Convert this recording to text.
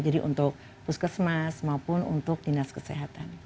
jadi untuk puskesmas maupun untuk dinas kesehatan